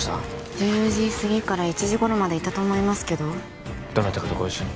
１０時すぎから１時頃までいたと思いますけどどなたかとご一緒に？